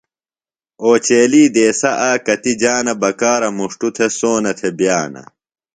اوچیلی دیسہ آک کتیۡ جانہ بکارہ مُݜٹوۡ تھےۡ سونہ تھےۡ بِیانہ۔